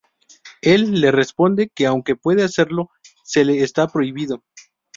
Él le responde que aunque puede hacerlo, se le está prohibido.